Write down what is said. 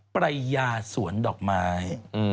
ปรายยาสวนดอกไม้